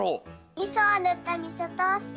みそをぬったみそトースト。